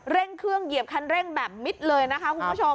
เร่งเครื่องเหยียบคันเร่งแบบมิดเลยนะคะคุณผู้ชม